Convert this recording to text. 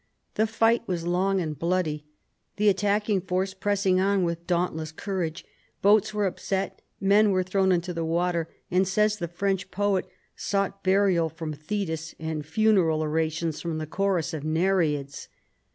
The fight was long and bloody. The attacking force pressed on with dauntless courage, boats were upset, men were thrown into the water, and, says the French poet, sought burial from Thetis and funeral orations from the chorus of Nereids.